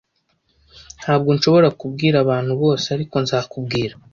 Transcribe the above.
Ntabwo nshobora kubwira abantu bose, ariko nzakubwira.